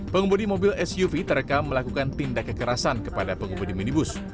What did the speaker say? pengemudi mobil suv terekam melakukan tindak kekerasan kepada pengemudi minibus